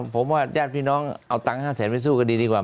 ผมว่าญาติพี่น้องเอาตังค์๕แสนไปสู้คดีดีกว่า